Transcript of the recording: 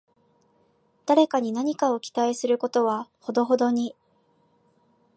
誰かに何かを期待することはほどほどに